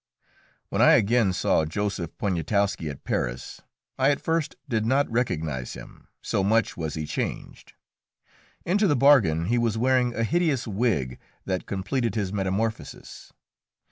When I again saw Joseph Poniatowski at Paris I at first did not recognise him, so much was he changed. Into the bargain he was wearing a hideous wig that completed his metamorphosis.